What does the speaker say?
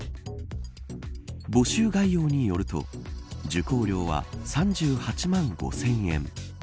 募集概要によると受講料は３８万５０００円。